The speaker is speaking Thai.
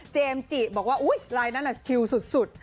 เจมส์จิบอกว่าอุ๊ยลายนั้นน่ะชิวสุด